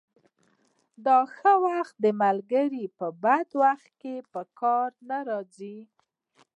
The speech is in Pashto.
د ښه وخت ملګري په بد وخت کې په کار نه راځي.